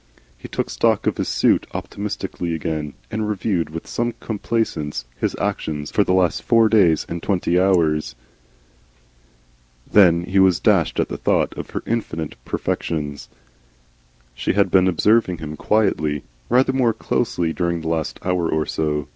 He took stock of his suit in a more optimistic spirit, and reviewed, with some complacency, his actions for the last four and twenty hours. Then he was dashed at the thought of her infinite perfections. She had been observing him quietly, rather more closely during the last hour or so.